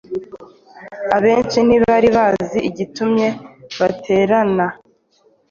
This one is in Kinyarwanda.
abenshi ntibari bazi igitumye baterana